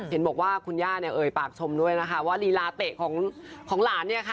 เห็นบอกว่าคุณย่าเนี่ยเอ่ยปากชมด้วยนะคะว่าลีลาเตะของหลานเนี่ยค่ะ